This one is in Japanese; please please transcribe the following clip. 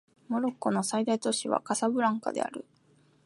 モロッコの最大都市はカサブランカである